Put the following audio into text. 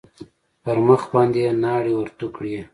پر مخ باندې يې ناړې ورتو کړې.